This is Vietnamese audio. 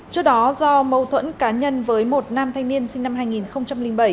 trước đó do mâu thuẫn cá nhân với một nam thanh niên sinh năm hai nghìn bảy